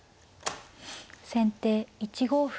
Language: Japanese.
先手１五歩。